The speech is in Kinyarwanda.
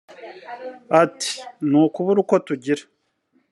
Ati ’’ Ni ukubura uko tugira